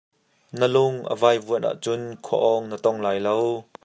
Na lung a vaihvuanh ah cun khua awng na tong lai lo.